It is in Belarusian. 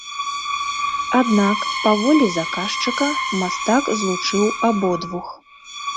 Аднак, па волі заказчыка, мастак злучыў абодвух.